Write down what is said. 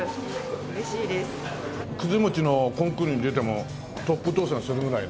くず餅のコンクールに出てもトップ当選するぐらいの。